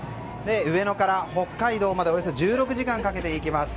上野から北海道までおよそ１６時間かけて行きます。